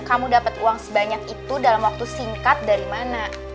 kamu dapat uang sebanyak itu dalam waktu singkat dari mana